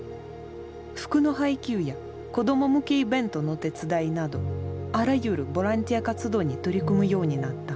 服の配給や子ども向けイベントの手伝いなどあらゆるボランティア活動に取り組むようになった。